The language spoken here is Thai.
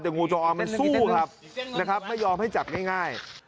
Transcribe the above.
แต่งูจออมมันสีนะครับไม่ยอมให้จับง่าย